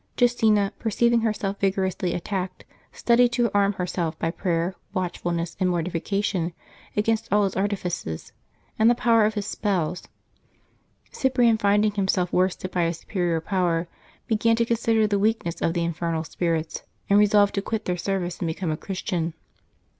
Justina, perceiving herself vigorously attacked, studied to arm herself by prayer, watchfulness, and mortification against all his artifices and the power of his spells. Cyprian finding himself worsted by a superior power, be gan to consider the weakness of the infernal spirits, and resolved to quit their service and become a Christian.